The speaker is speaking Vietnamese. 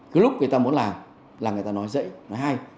cứ lúc người ta muốn làm là người ta nói dễ nói hay